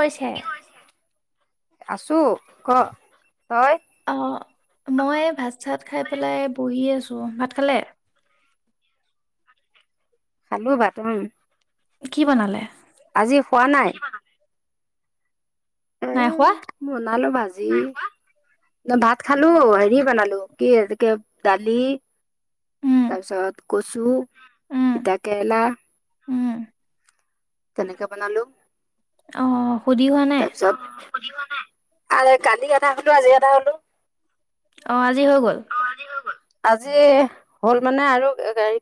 কৈছে আছো ক তই অ মই ভাত চাত খাই পেলাই বহি আছো ভাত খালে খালো ভাত উম কি বনালে? আজি শুৱা নাই এ নাই খোৱা বনালো ভাজি ন ভাত খালো হেৰি বনালো কি সে দালি উম তাৰপিছত কচু, উম তিতাকেৰেলা। উম! তেনেকে বনালো অ সুধি হোৱা নাই তাৰপিছত সুধিব ন কালি এটা সোধোঁ আজি এটা সোধোঁ অ আজি হৈ গ'ল। আজি হ'ল মানে আৰু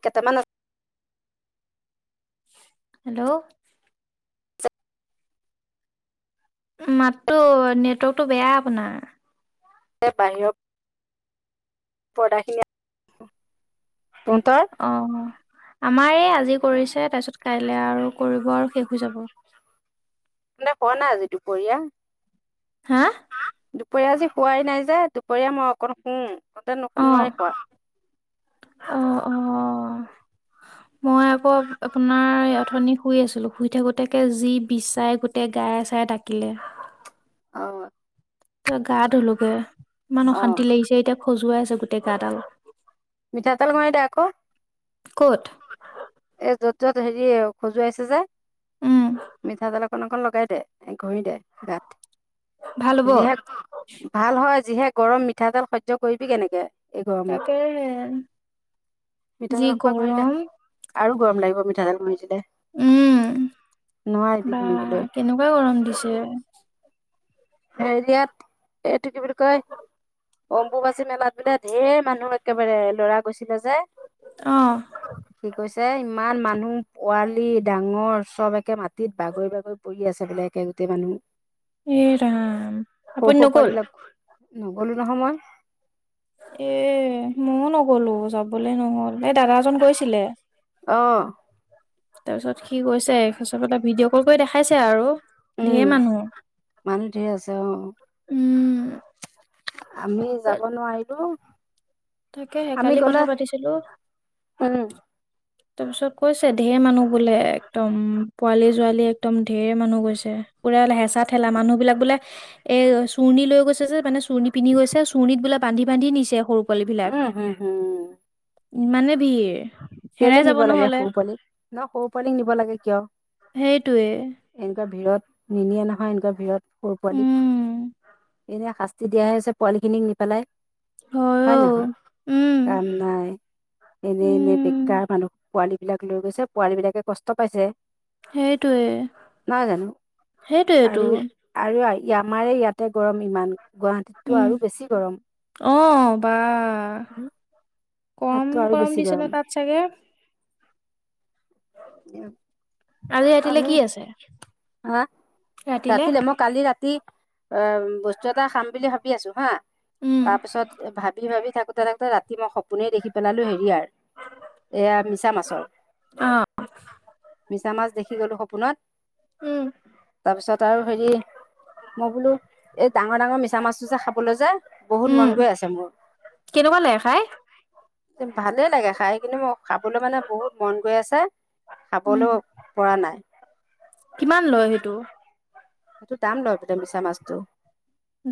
কেইটামান হেল্ল' মাততো নেটৱৰ্কতটো বেয়া আপোনাৰ বাহিৰৰ পৰ্দাখিনি অ আমাৰ এই আজি কৰিছে তাৰপিছত কাইলে আৰু কৰিব আৰু শেষ হৈ যাব শুৱা নাই আজি দুপৰীয়া হা দুপৰীয়া আজি শোৱাই নাই যে দুপৰীয়া মই অকণ শুও ততে নোশু নই খোৱা অ-অ মই আকৌ আপোনাৰ অথনি শুই আছিলো শুই থাকোতে যি বিচাই গোটেই গাইয়ে-চাইয়ে দাকিলে অঁ! ত গা ধুলোগে অকমান অ শান্তি লাগিছে এতিয়া খজুৱাই আছে গোটেই গাডাল মিঠাতেল ঘঁহি দে আকৌ কত এই যত হেৰি খজুৱাইছে যে উম মিঠাতেল অকন অকন লগাই দে ঘহী দে গাত ভাল হ'ব যিহে ভাল হয় যিহে গৰম মিঠাতেল সহ্য কৰিবি কেনেকে, এই গৰমত তাকে হে যি মিঠাতেল এসোপা ঘঁহি দে গৰম আৰু গৰম লাগিব মিঠাতেল ঘঁহি দিলে উম নোৱাৰিবি বা ঘঁহিবলৈ কেনেকোৱা গৰম দিছে হেৰি ইয়াত এইটো কি বুলি কয় অম্বুবাচী মেলাত বোলে ধেই মানুহ একেবাৰে লৰা গৈছে যে অ কি কৈছে যে ইমান মানুহ পোৱালি ডাঙৰ চব একে মাতি মাতিত বাগৰি বাগৰি পৰি আছে বোলে একে গোটেই মানুহ। এ ৰাম আপুনি সৰু সৰু নগ'ল পোৱালিবিলাকো নগলো নহয় মই, এ মইও নগলো যাবলৈ নহ'ল এই দাদা এজন গৈছিলে। অ তাৰ পিছত কি কৈছে চবেটা ভিডিঅ' কল কৰি দেখাইছে আৰু উম ঢেৰ মানুহ মানুহ ঢেৰ আছে অ উম আমি যাব নোৱাৰিলোঁ। তাকেহে কালি কথা পাতিছিলো উম তাৰপিছত কৈছে ঢেৰ মানুহ বোলে একদম পোৱালি ছোৱালি একদম ঢেৰ মানুহ গৈছে। পুৰা বোলে হেঁচা ঠেলা মানুহ বিলাক বোলে এ চুৰৰ্ণি লৈ গৈছে যে মানে চুৰ্ণি পিন্ধি গৈছে চুৰৰ্ণিত বোলে বান্ধি বান্ধি নিছে সৰু পোৱালী বিলাক উম হম হম ইমানে ভিৰ হেৰাই কেলে যাব নিব লাগে নহ'লে সৰু পোৱালি ন সৰু পোৱালিক নিব লাগে কিয়? সেইটোৱে ক ভিৰত নিনিয়ে নহয় এনেকুৱা ভিৰত সৰু পোৱালি উম এনে শাস্তি, যে দিয়াহে হৈছে পোৱালি খিনিক নিপেলাই হয় নহয় উম কাম নাই এনে এনে উম বেকাৰ মানুহ পোৱালী বিলাক লৈ গৈছে পোৱালী বিলাকে কষ্ট পাইছে সেইটোৱে নাই জানো সেইটোৱেটো আৰু আৰু আমাৰে ইয়াতে গৰম ইমান গুৱাহাটীততো উম! আৰু বেছি গৰম অহ বা। কম তাততো আৰু গৰম বেছি দিছে ন তাত চাগে উ আজি ৰাতিলে আমি কি আছে হা ৰাতিলে মই কালি ৰাতি অ বস্তু এটা খাম বুলি ভাবি আছো হা উম তাৰ পিছত ভাবি ভাবি থাকোতে থাকোতে ৰাতি মই স আপুনে দেখি পেলালোঁ হেৰিয়াৰ এয়া মিছা মাছৰ [unintelligible] মিছা মাছ দেখি গলোঁ সপোনত। উম তাৰ হেৰি মই বোলো এই ডাঙৰ ডাঙৰ মি চামাছ চচা খাবলৈ যায় বহুত মন উম গৈ আছে মোৰ কেনেকুৱা লাগে খাই? ভালেই লাগে খাইখিনি মোৰ খাবলৈ মানে বহুত মন গৈ আছে, উম। খাবলৈ পৰা নাই। [unintelligible] কিমান লয় সেইটো? সেইটো দাম লয় এতিয়া মিছা মাছটো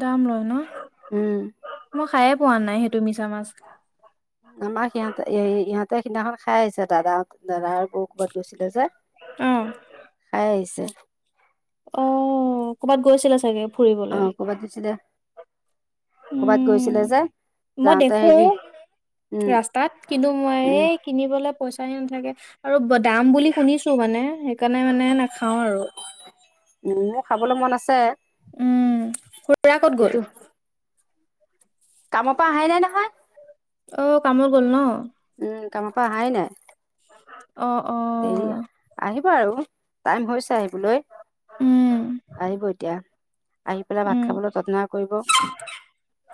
দাম লয় ন উম মই খায়ে পোৱা নাই সেইটো মিছা মাছ। আমাক সিহঁতে ইহঁতে সিদিনাখন খাই আহিছে দাদা দাদা বৌ ক'বাত গৈছিলে যে অ', খাই আহিছে অ ক'বাত গৈছিলা চাগে, ফুৰিবলে? অ কৰবাত গৈছিলে। কৰ'বাত উম, গৈছিলে যে মই যাওঁতে দেখো হেৰি উম ৰাস্তাত কিন্তু মই উম এই কিনিবলে পইচা হি নাথাকে আৰু দাম বুলি শুনিছো মানে সেইকাৰণে মানে নাখাও আৰু। উম মোৰ খাবলৈ মন আছে উম খুুৰা ক'ত গ'ল? কিন্তু কামৰ পৰা আহাই নাই নহয়। অ কামো গ'ল ন। উম কামৰ পৰা অহাই নাই। অ', দেৰি অ', আহিব আৰু টাইম হৈছে আহিবলৈ। উম, আহিব এতিয়া। আহি পেলাই ভাত উম, খাবলৈ যত্ন কৰিব,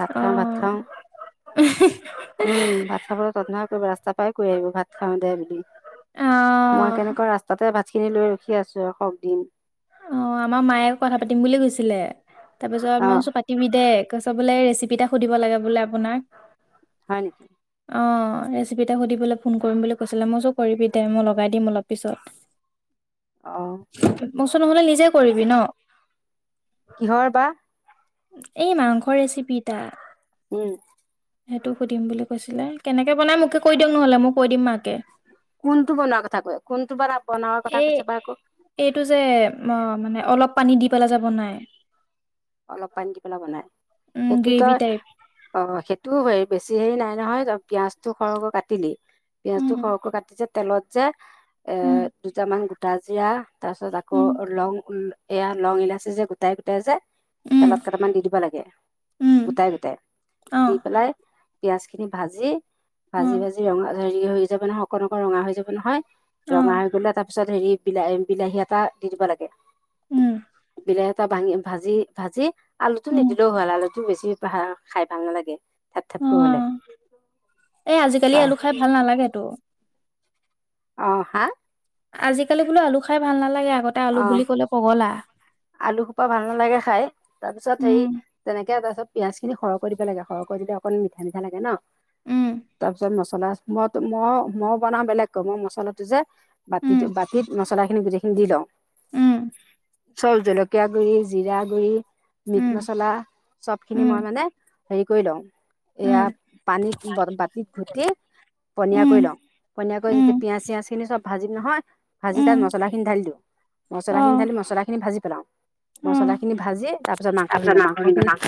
ভাত খাওঁ ভাত অ', খাওঁ উম ভাত খাবলৈ ততন কৰিব ৰাস্তাৰ পাই কৈ আহিব ভাত খাওঁ দে বুলি। মই অ'। কেনেকুৱা ৰাস্তাতে ভাতখিনি লৈ ৰখি আছো আৰু সক দিন। অ আমাৰ মায়ে আকৌ কথা পাতিম বুলি কৈছিলে, তাৰপিছত অ মই কৈছোঁ পাতিবি দে কৈছ বোলে ৰেচিপিটা সুধিব লাগে বোলে আপোনাৰ। হয় নেকি? অ ৰেচিপি এটা সুধিবলৈ ফোন কৰিম বুলি কৈছিলে মই কৈচো কৰিবি দে মই লগাই দিম অলপ পিছত। অ [unintelligible] মই কৈচো নহলে নিজে কৰিবি ন। কিহৰ বা এই মাংসৰ ৰেচিপিটা। উম। সেইটো সুধিম বুলি কৈছিলে কেনেকে বনাই মোকে কৈ দিয়ক নহলে মোক কৈ দিম মাকে। কোনটো বনোৱাৰ কথা কৈ কোনটো বা বনোৱাৰ কথা এই কৈছে বা আকৌ? এইটো যে অ মানে অলপ পানী দি পেলাই যাব নাই। অলপ পানী দি পেলাই বনাই, সেইটো গ্ৰেভি তই টাইপ। অ সেইটো হয়। বেছি হেৰি নাই নহয় পিয়াজটো সৰহকৈ কাটিলি, পিয়াজটো উম, সৰহকৈ কাটি যে তেলত যে এ উম, দুটামান গোটা জিৰা, তাৰপিছত আকৌ উম, লং ল এয়া লং ইলাচী যে গোটাই গোটাই যে উম, তেলত কেইটামান দি দিব লাগে। উম, গোটাই গোটাই দি অ', পেলাই পিয়াজ খিনি ভাজি, ভাজি অ', ভাজি ৰঙা হেৰি হৈ যাব নহয় অকণ অকন ৰঙা হৈ যাব নহয় ৰঙা অ', হৈ গলে তাৰপিছত হেৰি বিলাহ বিলাহী এটা দি দিব লাগে। উম, বিলাহী এটা ভাঙি ভাজি ভাজি আলুটো নে উম, দিলেও হল আলুটো বেছি ভা খাই ভাল নালাগে। থেপ অ থেপকৈ হ'লে এ আজিকালি তাৰ আলু খাই ভাল নালাগেতো। অ হা! আজিকালি বোলো আলু খাই ভাল নালাগে আগতে আলু অ বুলি কলে পগলা। আলু খোপা ভাল নালাগে খাই, তাৰ পিছত হেৰি উম তেনেকে ত তাৰপিছত পিয়াজ খিনি সৰহ কৰি দিব লাগে সৰহ কৰি দে অকন মিঠা মিঠা লাগে ন, উম তাৰপিছত মচ মছলা মই মই মইয়ো বনাওঁ বেলেগকৈ মই মছলাটো যে উম বাতিতো বাতিত মছলাখিনি গোটেইখিনি দি লওঁ। উম। চব জলকীয়া গুৰি, জিৰা গুৰি, মিট উম মছলা সবখিনি উম মই মানে হেৰি কৰি লওঁ। এয়া উম পানীত বাতিত ঘুটি পনিয়া উম কৰি লওঁ। পনীয়াকৈ উম যেতিয়া পিঁয়াজ চিয়াজখিনি চব ভাজিম নহয়, ভাজি উম তাত মছলাখিনি ঢালি দিওঁ। অ মছলাখিনি ঢালি মছলা খিনি ভাজি পেলাও। অ মছলা খিনি ভাজি, তাৰপিছত মাংসখিনি বনাও। মাংস কিনি মাংসখিনি মাংস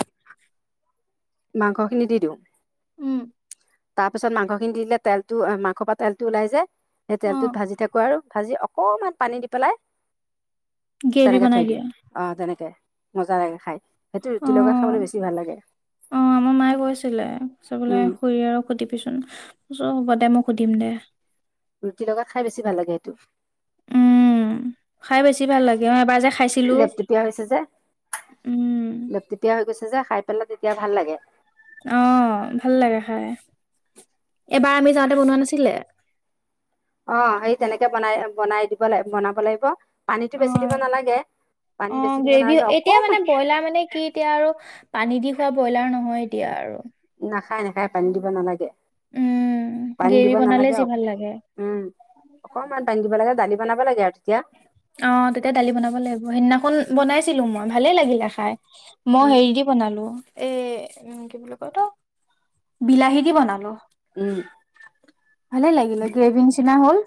মাংসখিনি দি দিওঁ। উম তাৰ পিছত মাংসখিনি দি দিলে তেলটো মাংসৰ পৰা তেলটো ওলাই যায় সেই অ তেলটোত ভাজি থাকো আৰু ভাজি অকমান পানী দি পেলাই [unintelligible] তেনেকে বনাই থৈ দিম দিয়ে অ তেনেকে। মজা লাগে খাই সেইটো ৰুটি লগা খাবলৈ বেছি ভাল লাগে। মামাৰ মায়ে কৈছিলে বোলে উম খুুৰী আৰু সুধিবিচোন। মোক সুধিম দে। ৰুটি লগা খাই বেছি ভাল লাগে এইটো। উম খাই বেছি ভাল লাগে অ এবাৰ যে খাইছিলো। উম লপপিয়া হৈ গৈছে যে খাই পেলা তেতিয়া ভাল লাগে। অ ভাল লাগে খাই এবাৰ আমি যাওঁতে বনোৱা নাছিলে। অ সেই তেনেকে বনাই বনাই দিব লাগ বনাব লাগিব পানীতটো বেছি অ দিব নালাগে। পানী অ বেছি দিব গ্ৰেভি নালাগে এতিয়া অকণমান মানে ব্ৰইলাৰ মানে কি এতিয়া আৰু পানী দি খোৱা ব্ৰইলাৰ নহয়। এতিয়া আৰু। নাখায় নাখায় পানী দিব নালাগে। উম পানী গ্ৰেভি দিব বনালে নালাগে যি অ ভাল লাগে উম অকমান পানী দিব লাগে দালি। বনাব লাগে তেতিয়া। অ তেতিয়া দালি বনাব লাগিব সেইদিনাখন বনাইছিলো মই ভালে লাগিলে খাই। মই উম হেৰি দি বনালো। এ উ কি বুলি কয় ত বিলাহী দি বনালো। ভালে লাগিল গ্ৰেভি নিচিনা হ'ল।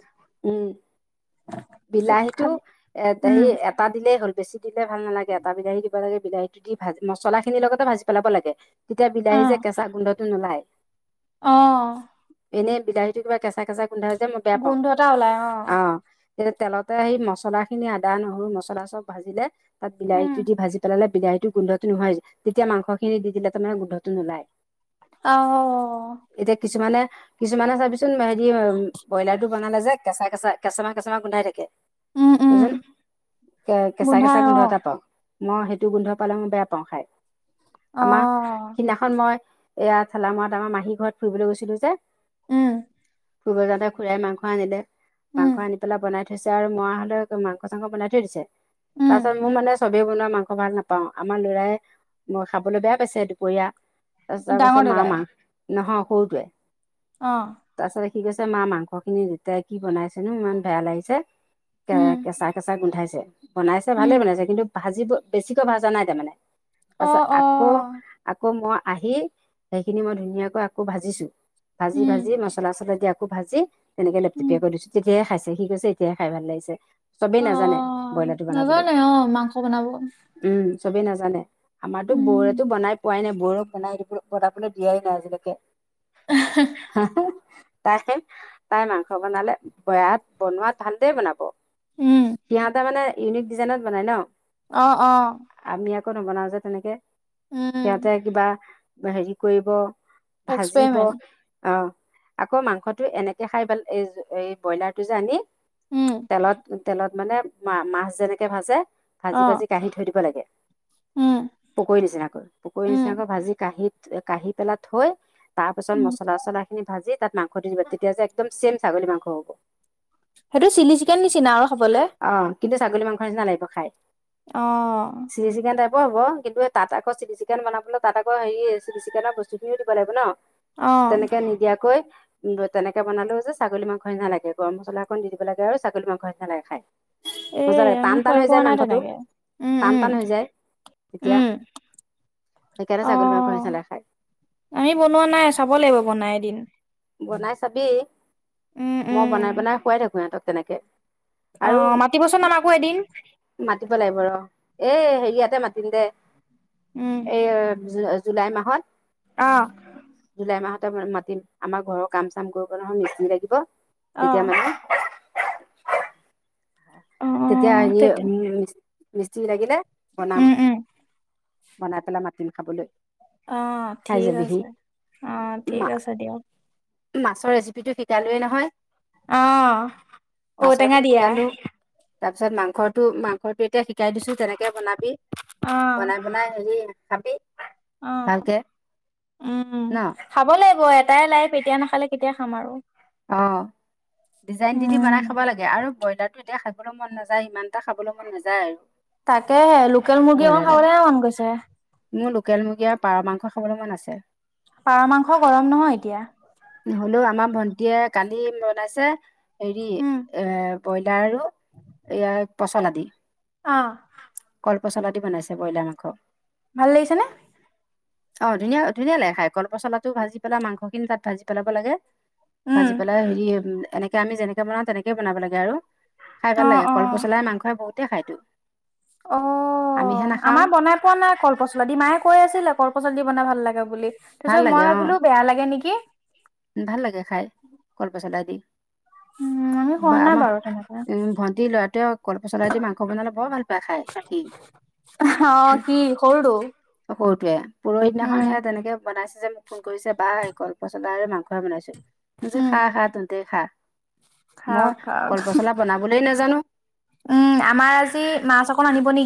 উম। তাৰপিছত বিলাহীতটো খালো এ উম হে এটা দিলেই হ'ল বেছি দিলে ভাল নালাগে এটা বিলাহী দিব লাগে। বিলাহীতটো দি ভাজি মছলা খিনিৰ লগতে ভাজি পেলাব লাগে তেতিয়া বিলাহী যে কেঁচা গোন্ধটো নোলায়। অহ। এনেই বিলাহীতো কিবা কেঁচা কেঁচা গুন্ধা যে মই বেয়া পাওঁ গোন্ধ এটা ওলাই অ। তেয়া তেলতে আহি মছলা খিনি আদা নহৰু মছলা চব ভাজিলে তাত উম বিলাহীটো দি ভাজি পেলালে। বিলাহীতটো গোন্ধটো নহয় যেতিয়া মাংস খিনি দি দিলে তাৰমানে গোন্ধটো নোলায়। এতিয়া অহ। কিছুমানে কিছুমানে চাবিচোন হেৰি ব্ৰইলাৰ টো বনালে যে কেঁচা কেঁচা কেঁচামা কেঁচমা গোন্ধাই থাকে। উম উম কে কেঁচাই গোন্ধাই কেঁচাই অ গোন্ধ এটা পাও। মই সেইটো গোন্ধ পালেং বেয়া পাওঁ খাই অ আমাৰ সিদিনাখন মই। এয়া ঠেলামত আমাৰ মাহী ঘৰত ফুৰিবলৈ গৈছিলো যে। উম। ফুৰিব যাওঁতে খুৰাাই মাংস আনিলে উম মাংস আনি। বনাই থৈছে আৰু মই হলে মাংস চাংস বনাই থৈ দিছে উম তাৰপিছত মোৰ মানে। চবেই বনোৱা মাংস ভাল নাপাওঁ আমাৰ লৰাই মই খাবলৈ বেয়া পাইছে দুপৰীয়া। তাৰপিছত কৈছে ডাঙৰ মা দাদাই মা নহয় সৰুটোৱে। অ। কিকৈছে মা মাংস খিনি যেতিয়া কি বনাইছেনো ইমান বেয়া লাগিছে কে উম কেঁচা কেঁচা গোন্ধাইছে। বনাইছে ভালে উম বনাইছে কিন্তু ভাজিব বেছিকৈ ভাজা নাই তাৰমানে। তাৰ অ পিছত অ আকৌ আকৌ মই আহি সেইখিনি মই ধুনীয়াকৈ আকৌ ভাজিছো। ভাজি উম ভাজি মছলা চছলা দি আকৌ ভাজি তেনেকে উম লেপটেপিয়া কৰি দিছো তেতিয়ে খাইছো। ঠিক কছে এতিয়ে খাই ভাল লাগিছে। চবেই অ নাজানে ব্ৰইলাৰটো বনাবলৈ নাজানে অ মাংস বনাব উম। চবেই নাজানে আমাৰতো উম বৌৰেতো বনাই পোৱাই নাই বৌক বনাই দিবলৈ বনাবলৈ দিয়াই নাই আজিলৈকে। তাই তাই মাংস বনালে বয়াত। বনোৱাত ভালদ বনাব উম সিহটা মানে ইউনিক ডিজাইনত বনাই ন। অহ অহ। আমি নবনাও যে তেনেকে সিহঁতে কিবা হেৰি কৰিব। ভাজিব এক্সপেৰিমেণ্ট অ আকৌ মাংসটো এনেকে খাই ভাল এই এই ব্ৰইলাৰ। টো জানি উম তেলত তেলত মানে ম মাছ যেনেকে ভাজে। ভাজি অ ভাজি কাঢ়ি থৈ দিব লাগে। উম পকৰী নিচিনাকৈ পকৰী উম নিচিনাকৈ ভাজি কাঁহীত কাঢহি পেলাই থৈ। তাৰ পিছত উম মছলা চছলা খিনি ভাজি তাত মাংস দি দিব তেতিয়া যে একদম চেম ছাগলী মাংস হ'ব। সেইটো চিলি চিকেন নিচিনা আৰু খাবলে। অ কিন্তু ছাগলী মাংস নিচিনা লাগিব খাই। আহ হ'ব হ'ব কিন্তু তাত আকৌ চিলি চিকেন বনাবলে তাত আকৌ হেৰি চিলি চিকেনৰ বস্তু খিনিও দিব লাগিব ন। অ তেনেকে নিদিয়াকৈ উ তেনেকে বনালো যে ছাগলী মাংস নি ন লাগে। গৰম মছলাক দি দিবাগে আৰু ছাগলী মাংস নিচিনাাগে খাই। মজা এই লাগে আমি টান টান খৈ হৈ পোৱা যায় নাই মাংসটো তেনেকে উম টান উম টান হৈ যায়। তেতিয়া। উম সেইকাৰণে অ ছাগলী মাংস নিচিনা লাগে খাই আহমি বনোৱা নাই চাব লাগিব বনাই এদিন। বনাই চাবি উম মই উম বনাই বনাই খোৱাই থাকো ইিহঁতক তেনেকে। অ আৰু মাতিবচোন আমাকো এদিন মাতিব লাগিব ৰ। এই হেৰিয়াতে মাতিম দে এই জুলাই মাহত। আহ ডেৰ মাহতে মাতিম আমাৰ ঘৰৰ কাম চাম কৰিব নহয় মিচিনি লাগিব? অ তেতিয়া মানে অ অ তেতিয়া হেৰি তেতিয়া উ। মিছি লাগিলে বনাম উম উম বনাই পেলাই মাটিম খাবলৈ? অ খাই ঠিক যাবিহি আছে অ ঠিক মা আছে দিয়ক। মাছৰ ৰেচিপিটো শিকালোয়ে নহয় অ ঔটেঙা মাছটো দিয়া শিকালো? তাৰপিছত মাংসটো মাংসটো এয়া শ শিকাই দিছো তেনেকে বনাবি অ বনাই বনাই হেৰি খাবি। অ ভালকে। উম ন খাব লাগিব এটাই লাই তে এতিয়া নাখালে কেতিয়া খাম আৰু। অ ডিজাইন দি দি উম বনাই খাব লাগে আৰু ব্ৰইলাৰ টো এতিয়া খাব। খাবলৈ মন নাযায় ইমানটা খাবলৈ মন নাযায় আৰু। তাকেহে লোকেল মুৰ্গী অক ব্ৰইলাৰডাল খাবলৈহে মন গৈছে। মোৰ লোকেল মুৰ্গী পাৰ মাংস খাবলৈ মন আছে? পাৰ মাংস গৰম নহয় এতিয়া। হলেও আমাৰ ভন্টিয়ে কালি বনাইছে হেৰি উম এ। ব্ৰইলাৰ আৰু এইয়াৰ পচলা আদি। অ কলপচলা দি বনাইছে ব্ৰইলাৰ মাংসক। ভাল লাগিছে নে। অ ধুনীয়া ধুনীয়া লাগে খাই কলপচলাটো ভাজি পেলাই মাংস খিনি তাত ভাজি পেলাব লাগে। উম ভাজি পেলাই হেৰি এনেকে আমি যেনেকে বনাও তেনেকে বনাব লাগে আৰু। খাই অ ভাল লাগে অ কলপচলাই মাংসই বহুতেই খাইতো। অ আমিহে নাখাওঁ আমাৰ বনাই পোৱা নাই কল পচল দি মায়ে কৈ আছিলে? খৰ পচল দি বনাই ভাল লাগা বুলি তাৰ ভাল পিছত লাগে মই অ বোলো বেয়া লাগে নেকি? ভাল লাগে খাই কলপচলা দি। উম আমি খোৱা বা নাই আমাৰ বাৰু তেনেকে উ ভন্টি লৰাটোৱে কলপচলাইদি মাংস বনালে বৰ ভাল পায় খাই। উম অ কি সৰুটো? য়ে পৰহি দিনাখন উম, সে তেনেকে বনাইছে যে মোক ফোন কৰিছে বা এই কল পচলা আৰু মাংসহ বনাইছো? ম যে উম, খা খা ততে খা। মই খাওক খাওক কল পচলা বনাবলেই নাজানো উম আমাৰ আজি মাছ অক আনিব নেকি?